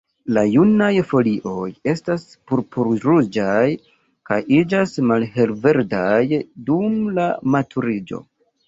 La junaj folioj estas purpur-ruĝaj, kaj iĝas malhelverdaj dum la maturiĝo.